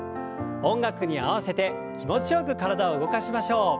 音楽に合わせて気持ちよく体を動かしましょう。